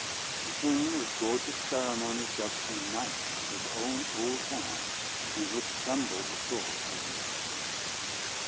The king, with gorgeous ceremony, dubbed me knight with his own old hand, in which trembled the sword of his youth.